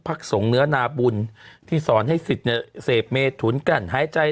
พรรคสงเนื้อนาบุญที่สอนให้สิทธิ์เสพเมษถุนกันหายใจ